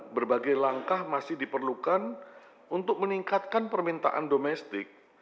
berbagai langkah masih diperlukan untuk meningkatkan permintaan domestik